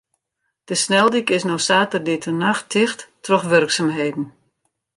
De sneldyk is no saterdeitenacht ticht troch wurksumheden.